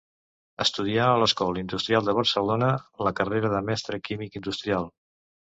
Estudià a l'Escola Industrial de Barcelona la carrera de Mestre químic industrial.